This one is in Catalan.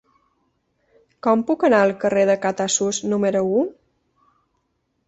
Com puc anar al carrer de Catasús número u?